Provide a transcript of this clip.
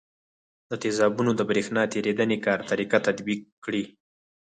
د تیزابونو د برېښنا تیریدنې کار طریقه تطبیق کړئ.